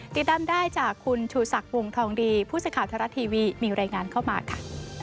ติดตั้มได้จากคุณถูศักดิ์วงธองดีผู้สังขาดธรรมชาติทีวีมีรายงานเข้ามาค่ะ